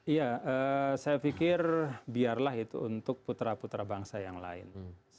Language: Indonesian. iya saya pikir biarlah itu untuk putra putra bangsa yang lain